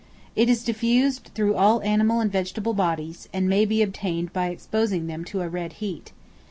It is diffused through all animal and vegetable bodies; and may be obtained by exposing them to a red heat.